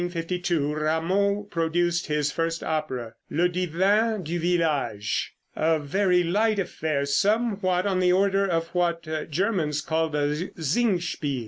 In 1752 Rameau produced his first opera "Le Devin du Village," a very light affair, somewhat on the order of what Germans call a Singspiel.